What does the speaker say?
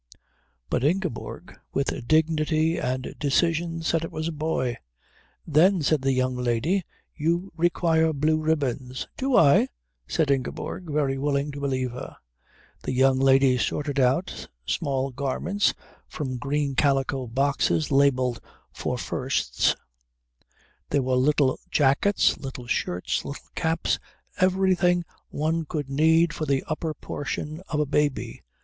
But Ingeborg, with dignity and decision, said it was a boy. "Then," said the young lady, "you require blue ribbons." "Do I?" said Ingeborg, very willing to believe her. The young lady sorted out small garments from green calico boxes labelled For Firsts. There were little jackets, little shirts, little caps, everything one could need for the upper portion of a baby.